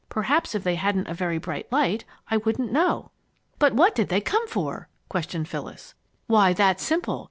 Perhaps if they hadn't had a very bright light, I wouldn't know." "But what did they come for?" questioned Phyllis. "Why, that's simple.